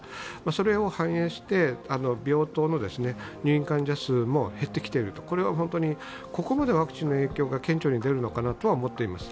それを反映して、病棟の入院患者数も減ってきている、ここまでワクチンの影響が顕著に出るのかなとは思っています。